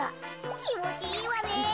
きもちいいわね。